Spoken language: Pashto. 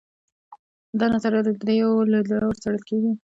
دا نظریه له درېیو لیدلورو څېړل کیږي.